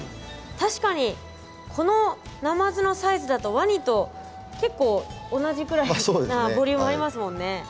確かにこのナマズのサイズだとワニと結構同じくらいなボリュームありますもんね。